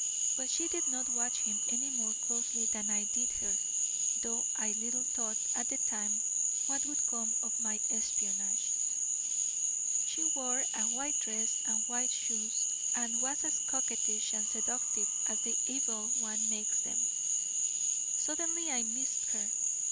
But she did not watch him any more closely than I did her, though I little thought at the time what would come of my espionage. She wore a white dress and white shoes, and was as coquettish and seductive as the evil one makes them. Suddenly I missed her.